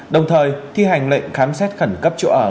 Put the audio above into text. đồng thời thi hành lệnh khám xét khẩn cấp chỗ ở